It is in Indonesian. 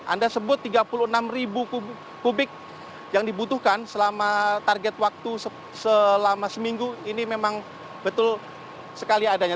anda sebut tiga puluh enam kubik yang dibutuhkan selama target waktu selama seminggu ini memang betul sekali adanya